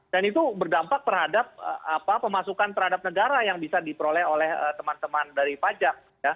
dan itu berdampak terhadap pemasukan terhadap negara yang bisa diperoleh oleh teman teman dari pajak